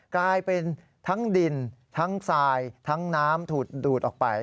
กลายเป็นทั้งดินทั้งทรายทั้งน้ำถูกดูดออกไป